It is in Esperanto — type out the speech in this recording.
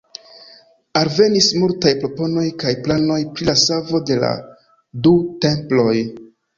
Alvenis multaj proponoj kaj planoj pri la savo de la du temploj.